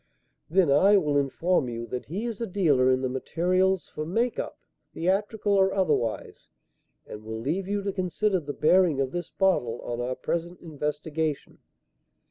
"Then I will inform you that he is a dealer in the materials for 'make up,' theatrical or otherwise, and will leave you to consider the bearing of this bottle on our present investigation.